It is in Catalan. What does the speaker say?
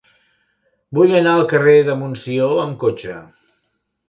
Vull anar al carrer de Montsió amb cotxe.